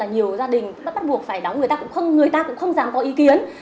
nhiều gia đình bắt buộc phải đóng người ta cũng không dám có ý kiến